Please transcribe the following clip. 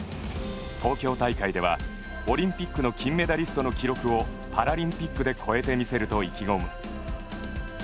東京大会ではオリンピックの金メダリストの記録をパラリンピックで超えてみせると意気込む。